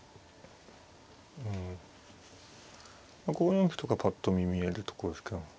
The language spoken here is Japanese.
５四歩とかぱっと見見えるとこですけども。